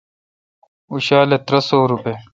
اوں شالہ ترہ سوروپے°